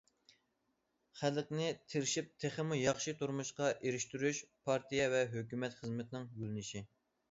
خەلقنى تىرىشىپ تېخىمۇ ياخشى تۇرمۇشقا ئېرىشتۈرۈش پارتىيە ۋە ھۆكۈمەت خىزمىتىنىڭ يۆنىلىشى.